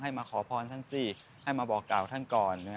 มาขอพรท่านสิให้มาบอกกล่าวท่านก่อน